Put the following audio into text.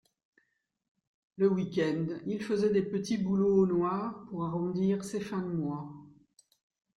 Le week-end, il faisait des petits boulots au noir pour arrondir ses fins de mois